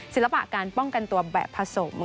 ศิลปะการป้องกันตัวแบบผสม